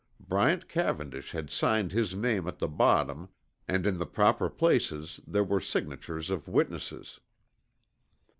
Bryant Cavendish had signed his name at the bottom, and in the proper places there were signatures of witnesses.